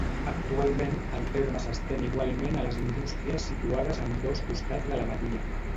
Actualment, el terme s'estén igualment a les indústries situades a ambdós costats de la badia.